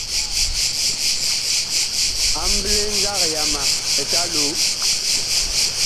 Amɓle nzag yama Eta Loo.